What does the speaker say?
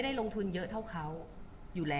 คุณผู้ถามเป็นความขอบคุณค่ะ